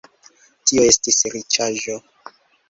Tio estis riĉaĵo.